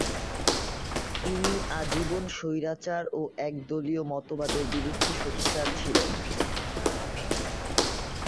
তিনি আজীবন স্বৈরাচার ও একদলীয় মতবাদের বিরুদ্ধে সোচ্চার ছিলেন।